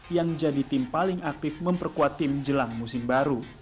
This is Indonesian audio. yang jadi tim paling aktif memperkuat tim jelang musim baru